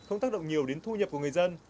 không tác động nhiều đến thu nhập của người dân